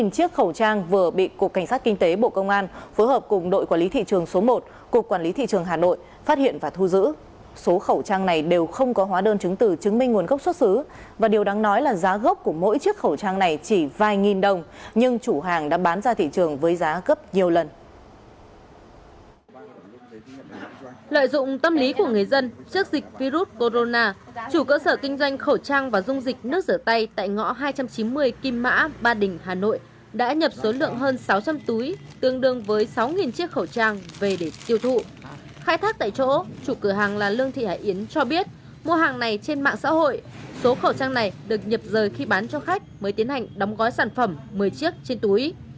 chủ cửa hàng là lương thị hải yến cho biết mua hàng này trên mạng xã hội số khẩu trang này được nhập rời khi bán cho khách mới tiến hành đóng gói sản phẩm một mươi chiếc trên túi